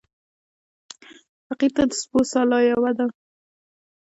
فقير ته د سپو سلا يوه ده.